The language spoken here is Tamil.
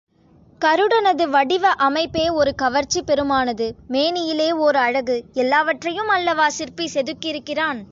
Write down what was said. கருடனது வடிவ அமைப்பே ஒரு கவர்ச்சி பெருமானது மேனியிலே ஓர் அழகு எல்லாவற்றையும் அல்லவா சிற்பி செதுக்கியிருக்கிறான்.